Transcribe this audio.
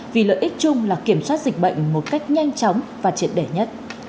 vì lợi ích chung là kiểm soát dịch bệnh một cách nhanh chóng và triệt đẻ nhất